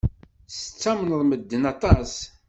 Tettamneḍ medden aṭas.